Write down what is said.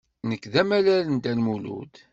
Nekk d amalal n Dda Lmulud.